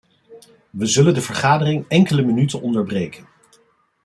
We zullen de vergadering enkele minuten onderbreken.